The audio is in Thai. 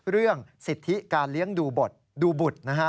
เรื่องสิทธิการเลี้ยงดูบุตร